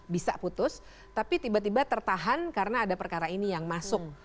bisa putus tapi tiba tiba tertahan karena ada perkara ini yang masuk